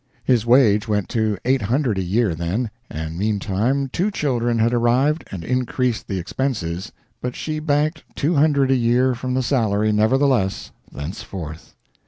His wage went to eight hundred a year, then, and meantime two children had arrived and increased the expenses, but she banked two hundred a year from the salary, nevertheless, thenceforth.